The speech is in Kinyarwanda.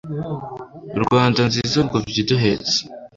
rwanda nziza ngobyi iduhetse